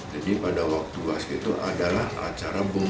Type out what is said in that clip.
jadi pada waktu basket itu adalah acara bombo